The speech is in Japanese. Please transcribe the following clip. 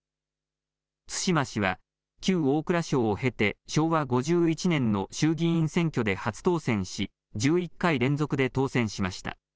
津島氏は旧大蔵省を経て昭和５１年の衆議院選挙で初当選し１１回連続で当選しました。